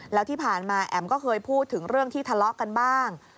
แล้วที่ผ่านมาแอ๋มก็เคยพูดถึงเรื่องที่ทะเลาะกันบ้าง